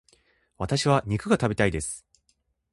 私は肉が食べたいです。